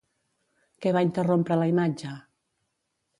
Què va interrompre la imatge?